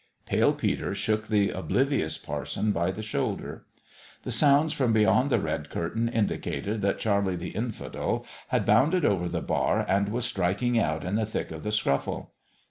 Pale Peter shook the oblivious parson by the shoulder. The sounds from beyond the red curtain indi cated that Charlie the Infidel had bounded over the bar and was striking out in the thick of the scuffle.